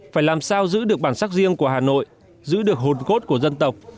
phải làm sao giữ được bản sắc riêng của hà nội giữ được hồn cốt của dân tộc